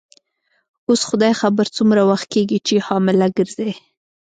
اوس خدای خبر څومره وخت کیږي چي حامله ګرځې.